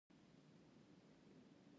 د درملو د بسته بندۍ کوچني مرکزونه شتون لري.